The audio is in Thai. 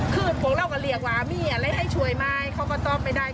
คือพวกเราก็เรียกว่ามีอะไรให้ช่วยไหมเขาก็ตอบไม่ได้